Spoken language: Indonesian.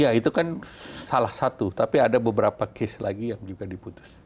ya itu kan salah satu tapi ada beberapa case lagi yang juga diputus